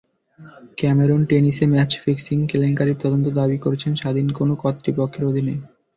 Cameron টেনিসে match fixing কেলেঙ্কারির তদন্ত দাবি করছেন স্বাধীন কোনো কর্তৃপক্ষের অধীনে।